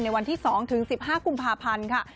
วันที่๒ถึง๑๕กุมภาพันธ์ค่ะ